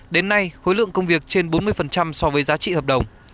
đến nay khối lượng công việc trên bốn mươi so với giá trị hợp đồng